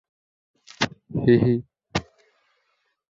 হিহি।"